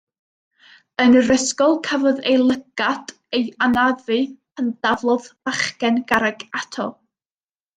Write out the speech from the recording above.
Yn yr ysgol cafodd ei lygad ei anafu pan daflodd bachgen garreg ato.